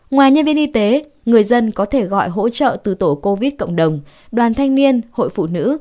ngoài nhân viên y tế người dân có thể gọi hỗ trợ từ tổ covid cộng đồng đoàn thanh niên hội phụ nữ